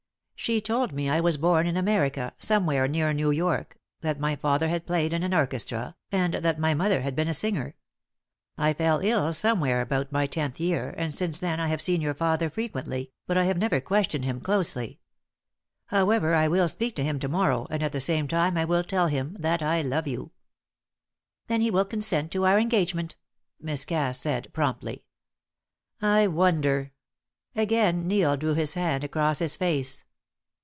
"She told me I was born in America, somewhere near New York, that my father had played in an orchestra, and that my mother had been a singer. I fell ill somewhere about my tenth year, and since then I have seen your father frequently, but I have never questioned him closely. However, I will speak to him to morrow, and at the same time I will tell him that I love you. "Then he will consent to our engagement," Miss Cass said, promptly. "I wonder!" Again Neil drew his hand across his face.